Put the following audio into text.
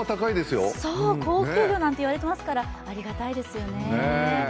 高級魚なんて言われていますからありがたいですよね。